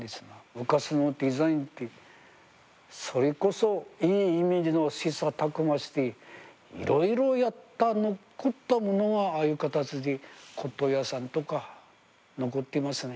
昔のデザインってそれこそいい意味での切磋琢磨していろいろやった凝ったものはああいう形で骨董屋さんとか残ってますね。